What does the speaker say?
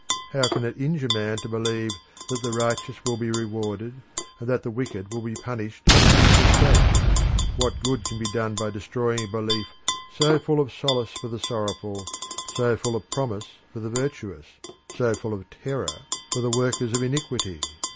How can it injure men to believe that the righteous will he rewarded and that the wicked will be punished in a future state? What good can be done by destroying a belief so full of solace for the sorrowful, so full of promise for the virtuous, so full of terror for the workers of iniquity?